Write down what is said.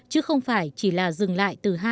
chứ không phải chỉ là dừng lại từ hai đến ba năm